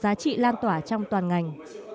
giá trị lan tỏa trong toàn ngành